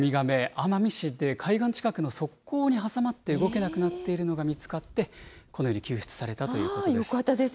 奄美市で海岸近くの側溝に挟まって動けなくなっているのが見つかって、このように救出されたということです。